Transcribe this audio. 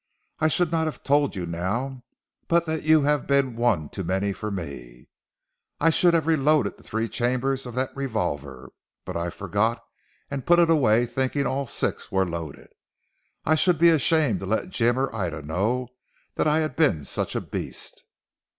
I should not have told you now, but that you have been one too many for me. I should have re loaded the three chambers of that revolver. But I forgot and put it away thinking all six were loaded. I should be ashamed to let Jim or Ida know that I had been such a beast."